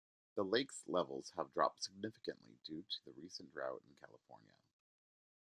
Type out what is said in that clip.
The Lakes levels have dropped significantly due to the recent drought in California.